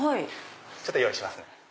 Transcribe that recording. ちょっと用意しますね。